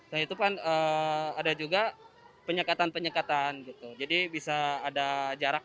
nah itu kan ada juga penyekatan penyekatan gitu jadi bisa ada jarak